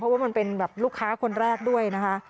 ว่ามันเป็นแบบลูกค้าคนแรกด้วยนะคะ